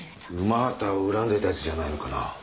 午端を恨んでたやつじゃないのかな。